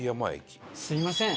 すみません。